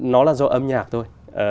nó là do âm nhạc thôi